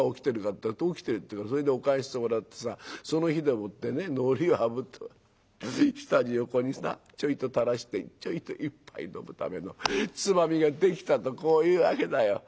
ったら『おきてる』って言うからそれでお燗してもらってさその火でもってねのりをあぶって下地をここになちょいとたらしてちょいと一杯飲むためのつまみができたとこういうわけだよ」。